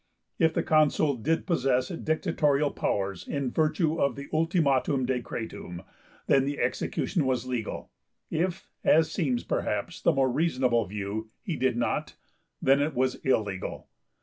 If the Consul did possess dictatorial powers in virtue of the 'ultimum decretum,' then the execution was legal; if (as seems, perhaps, the more reasonable view) he did not, then it was illegal.